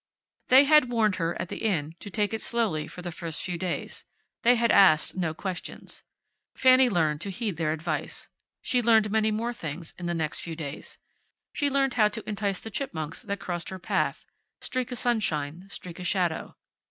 They had warned her, at the Inn, to take it slowly for the first few days. They had asked no questions. Fanny learned to heed their advice. She learned many more things in the next few days. She learned how to entice the chipmunks that crossed her path, streak o' sunshine, streak o' shadow.